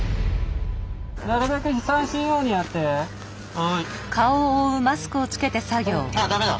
はい。